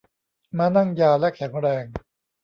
ม้านั่งยาวและแข็งแรง